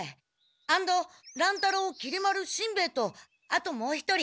アンド乱太郎きり丸しんべヱとあともう一人。